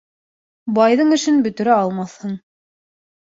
Байҙың эшен бөтөрә алмаҫһың.